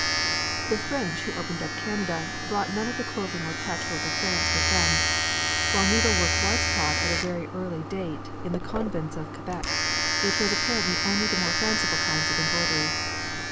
The French who opened up Canada brought none of the quilting or patchwork of France with them. While needlework was taught at a very early date in the convents of Quebec, it was apparently only the more fanciful kinds of embroidery.